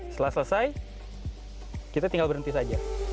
setelah selesai kita tinggal berhenti saja